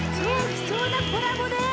貴重なコラボです